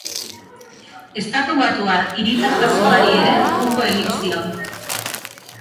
Estatubatuar hiritartasunari ere uko egin zion.